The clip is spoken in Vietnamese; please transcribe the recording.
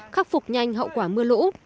khắc phục nhanh hậu quả mưa lũ